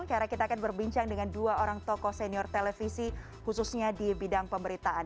karena kita akan berbincang dengan dua orang toko senior televisi khususnya di bidang pemberitaan